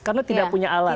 karena tidak punya alat